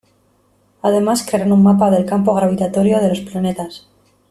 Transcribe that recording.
Además crearon un mapa del campo gravitatorio del los planetas.